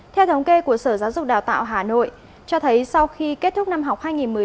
theo thống kê của sở giáo dục đào tạo hà nội cho thấy sau khi kết thúc năm học hai nghìn một mươi hai nghìn một mươi chín